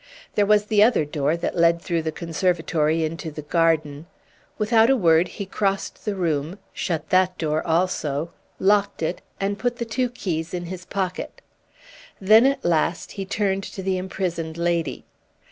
There was the other door that led through the conservatory into the garden. Without a word he crossed the room, shut that door also, locked it, and put the two keys in his pocket. Then at last he turned to the imprisoned lady.